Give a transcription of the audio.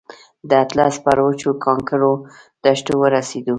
د اطلس پر وچو کانکرو دښتو ورسېدو.